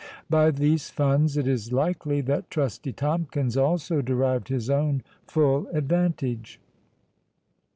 By these funds it is likely that Trusty Tomkins also derived his own full advantage.